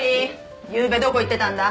ゆうべどこ行ってたんだ？